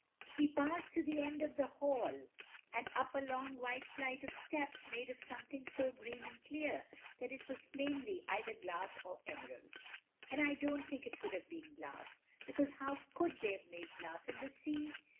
He passed to the end of the hall and up a long wide flight of steps made of something so green and clear that it was plainly either glass or emerald, and I don't think it could have been glass, because how could they have made glass in the sea?